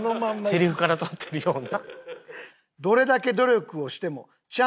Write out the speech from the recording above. セリフから取ってるような。